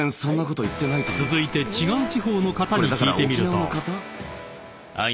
［続いて違う地方の方に聞いてみると］